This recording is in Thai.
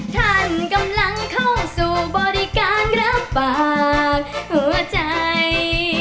ท่านกำลังเข้าสู่บริการรับปากหัวใจ